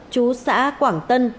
chú xã quảng tân